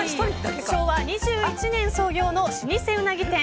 昭和２１年創業の老舗うなぎ店